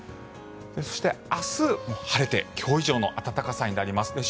そして、明日晴れて今日以上の暖かさになります。